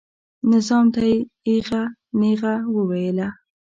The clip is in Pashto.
نظام ته یې ایغه نیغه وویله.